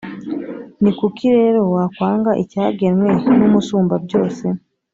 ni kuki rero wakwanga icyagenwe n’Umusumbabyose?